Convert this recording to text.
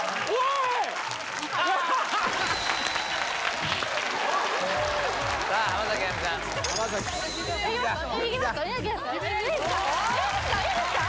いいですか？